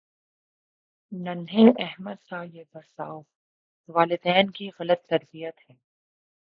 ننھے احمد کا یہ برتا والدین کی غلط تربیت ہے